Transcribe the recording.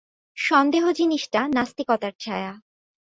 সন্দেহ জিনিসটা নাস্তিকতার ছায়া।